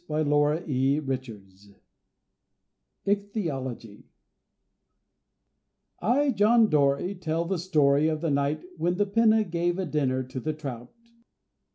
BY LAURA E. RICHARDS] I, JOHN DORY, tell the story of the night When the Pinna gave a dinner to the Trout.